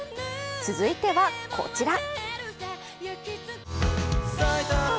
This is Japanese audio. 続いてはこちら。